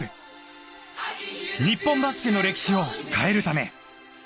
日本バスケの歴史を変えるため。